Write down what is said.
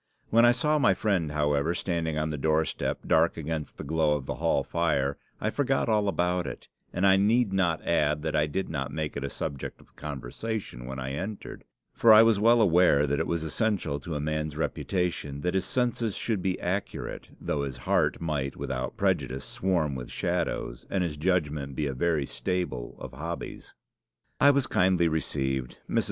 When I saw my friend, however, standing on the doorstep, dark against the glow of the hall fire, I forgot all about it; and I need not add that I did not make it a subject of conversation when I entered, for I was well aware that it was essential to a man's reputation that his senses should be accurate, though his heart might without prejudice swarm with shadows, and his judgment be a very stable of hobbies. "I was kindly received. Mrs.